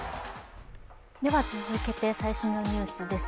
続けて最新のニュースです。